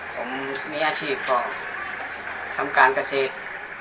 ผมมีอาชีพก็ทำการเกษตร